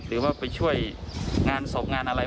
หรือว่าไปช่วยงานศพงานอะไร